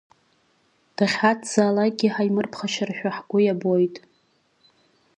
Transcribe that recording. Дахьҳацзаалакгьы ҳаимырԥхашьарашәа ҳгәы иабоит!